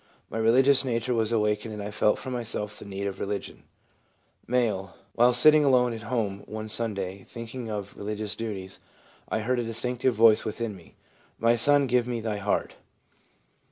My religious nature was awakened and I felt for myself the need of religion/ M. ' While sitting alone at home one Sunday, thinking of religious duties, I heard a distinct voice within me, "My Son, give me thy heart."